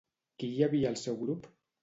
Qui hi havia al seu grup?